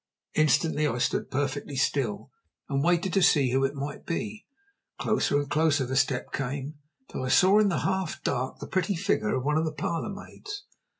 Instantly I stood perfectly still, and waited to see who it might be. Closer and closer the step came, till I saw in the half dark the pretty figure of one of the parlour maids.